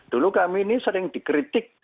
dulu kami ini sering dikritik